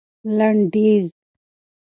لنډيز